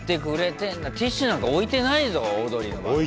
ティッシュなんか置いてないぞオードリーの番組。